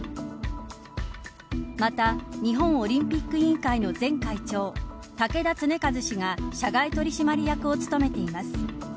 また日本オリンピック委員会の前会長竹田恒和氏が社外取締役を務めています。